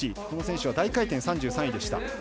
この選手は大回転３３位でした。